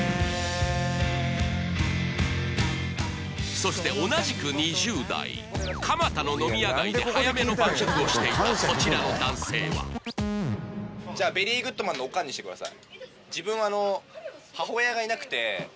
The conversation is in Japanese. そして同じく２０代蒲田の飲み屋街で早めの晩酌をしていたこちらの男性はじゃあベリーグッドマンの「おかんｙｅｔ」にしてください